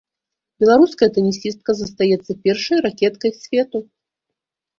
Беларуская тэнісістка застаецца першай ракеткай свету.